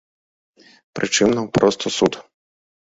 Прычым, наўпрост у суд.